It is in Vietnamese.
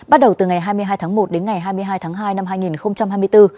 bắt đầu từ ngày hai mươi hai tháng một đến ngày hai mươi hai tháng hai năm hai nghìn hai mươi bốn